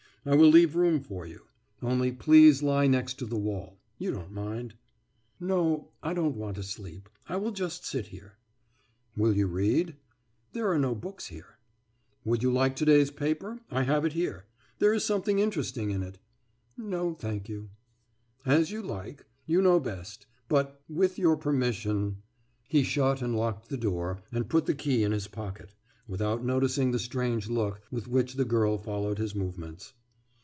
I will leave room for you. Only please lie next the wall. You don't mind?« »No, I don't want to sleep. I will just sit here.« »Will you read?« »There are no books here.« » Would you like today's paper? I have it here. There is something interesting in it.« »No, thank you.« »As you like. You know best. But ... with your permission....« He shut and locked the door and put the key in his pocket, without noticing the strange look with which the girl followed his movements.